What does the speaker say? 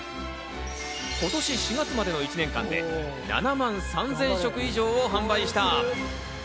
今年４月までの１年間で７万３０００食以上を販売した。